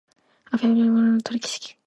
As a heavy metal, plutonium is also toxic.